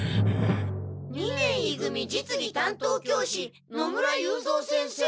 二年い組実技担当教師野村雄三先生。